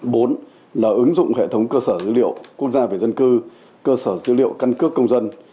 bốn là ứng dụng hệ thống cơ sở dữ liệu quốc gia về dân cư cơ sở dữ liệu căn cước công dân